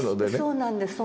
そうなんです。